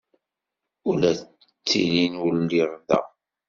Ula d tillin ur lliɣ da.